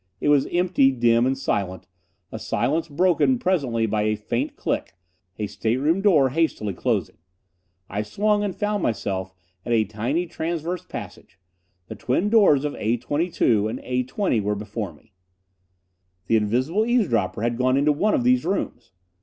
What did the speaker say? It was empty, dim and silent, a silence broken presently by a faint click a stateroom door hastily closing. I swung and found myself in a tiny transverse passage. The twin doors of A 22 and A 20 were before me. The invisible eavesdropper had gone into one of these rooms!